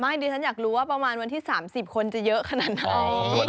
ดิฉันอยากรู้ว่าประมาณวันที่๓๐คนจะเยอะขนาดไหน